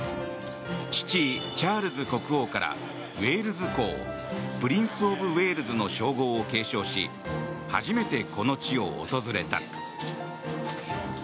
父チャールズ国王からウェールズ公プリンス・オブ・ウェールズの称号を継承し初めてこの地を訪れた。